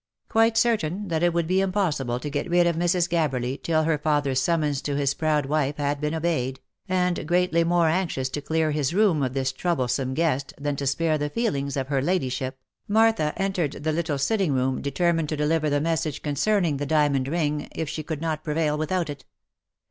Quite certain that it would be impossible to get rid of Mrs. Gab berly till her father's summons to his proud wife had been obeyed, and greatly more anxious to clear his room of this troublesome guest, than to spare the feelings of her ladyship, Martha entered the little sitting room, determined to deliver the message concerning the diamond ring, if she could not prevail without it.